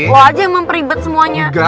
lo aja yang memperibadikannya